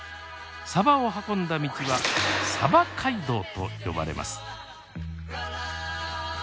サバを運んだ道は街道と呼ばれます。